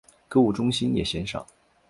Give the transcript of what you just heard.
购物中心也鲜少。